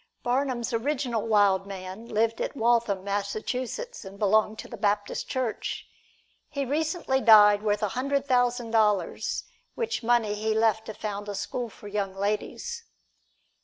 Barnum's original "wild man" lived at Waltham, Massachusetts, and belonged to the Baptist Church. He recently died worth a hundred thousand dollars, which money he left to found a school for young ladies.